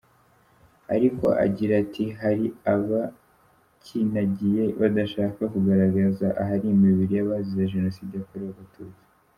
Ariko agira ati “Hari abacyinagiye badashaka kugaragaza ahari imibiri y’Abazize Jenoside yakorewe Abatutsi.